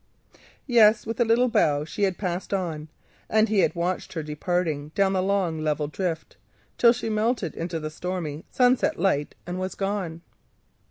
Yes, with a little bow she had passed on, and he watched her walking down the long level drift, till her image melted into the stormy sunset light, and was gone.